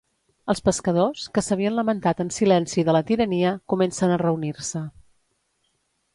Els pescadors, que s'havien lamentat en silenci de la tirania, comencen a reunir-se.